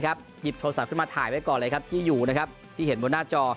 หยิบโทรศัพท์ขึ้นมาถ่ายไว้ก่อนเลยครับที่อยู่นะครับที่เห็นบนหน้าจอ